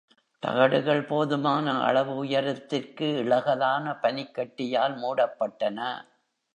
தகடுகள் போதுமான அளவு உயரத்திற்கு இளகலான பனிக்கட்டியால் மூடப்பட்டன.